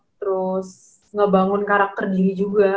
terus ngebangun karakter diri juga